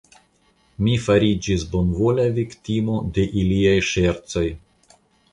Mi fariĝis bonvola viktimo de iliaj ŝercoj.